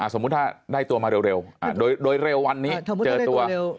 สมมุติถ้าได้ตัวมาเร็วโดยเร็ววันนี้เจอตัว